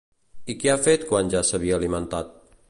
I què ha fet quan ja s'havia alimentat?